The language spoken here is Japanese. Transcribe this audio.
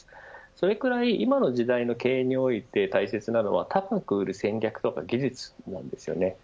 それぐらい今の時代の経営において大切なのは高く売る戦略とか技術なんですよね。